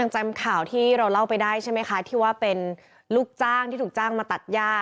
จำข่าวที่เราเล่าไปได้ใช่ไหมคะที่ว่าเป็นลูกจ้างที่ถูกจ้างมาตัดย่า